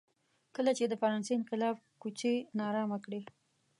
کله چې د فرانسې انقلاب کوڅې نا ارامه کړې.